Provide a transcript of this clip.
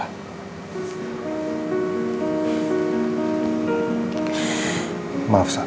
aku benar benar senang